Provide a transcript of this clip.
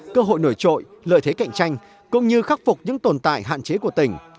cơ hội nổi trội lợi thế cạnh tranh cũng như khắc phục những tồn tại hạn chế của tỉnh